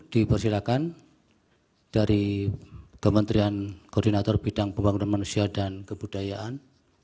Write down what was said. dipersilakan dari kementerian koordinator bidang pembangunan manusia dan kebudayaan